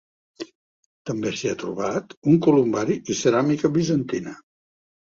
També s'hi ha trobat un columbari i ceràmica bizantina.